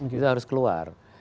kita harus keluar